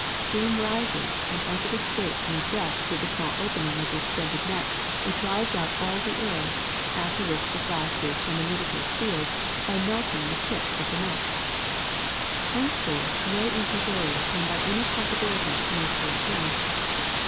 Steam rises and as it escapes in a jet through the small opening of the extended neck it drives out all the air, after which the flask is hermetically sealed by melting the tip of the neck. Henceforth no in fusoria can by any possibility make their appearance.